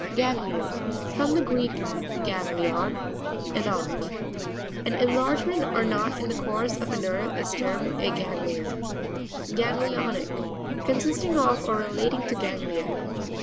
Ga'netion.—From the Greek, gag glion, a knot. An enlargement or knot in the course of a nerve is termed a ganglion. Ga'netionic.—Consisting of, or re lating to ganglia.